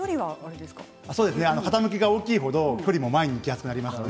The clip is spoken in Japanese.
傾きが大きい程、距離が前に行きやすくなります。